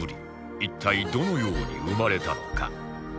一体どのように生まれたのか？